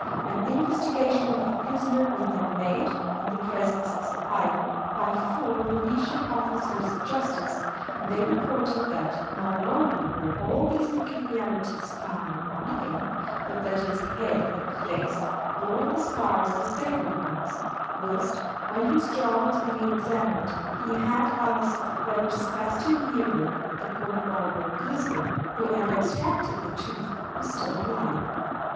An investigation of the prisoner was then made, in the presence of Sampayo, by four Venetian officers of justice; and they reported that not only were all these peculiarities found upon him, but that his head and face bore the scars of sabre wounds; whilst, when his jaw was being examined, he had asked whether Sebastian Nero, the Court barber at Lisbon, who had extracted the tooth, was still alive.